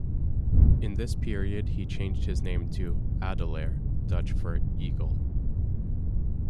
In this period he changed his name to "Adelaer", Dutch for "Eagle".